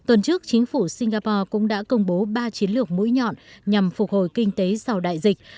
tuần trước chính phủ singapore cũng đã công bố ba chiến lược mũi nhọn nhằm phục hồi kinh tế sau đại dịch